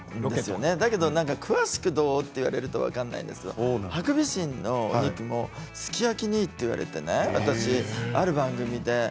だけど詳しくどうと言われると分からないんですけれどもハクビシンのお肉もすき焼きにいいと言われてねある番組で。